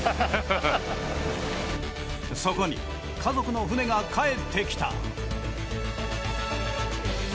そこに家族の船が帰ってきた。